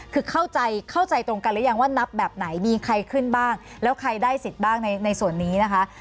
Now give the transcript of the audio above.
คือเข้าใจเข้าใจตรงกันหรือยังว่านับแบบไหนมีใครขึ้นบ้างแล้วใครได้สิทธิ์บ้างในส่วนนี้นะคะ